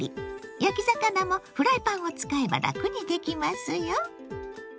焼き魚もフライパンを使えばラクにできますよ。